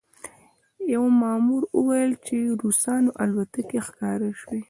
یوه مامور وویل چې د روسانو الوتکې ښکاره شوې